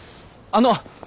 あの！